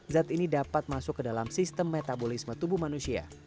zat ini dapat masuk ke dalam sistem metabolisme tubuh manusia